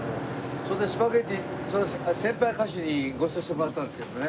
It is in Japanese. スパゲティ先輩歌手にご馳走してもらったんですけどね。